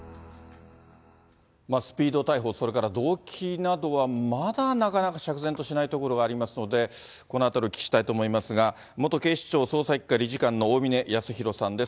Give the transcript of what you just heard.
スピード逮捕、それから動機などは、まだなかなか釈然としないところがありますので、このあたりをお聞きしたいと思いますが、元警視庁捜査１課理事官の大峯泰廣さんです。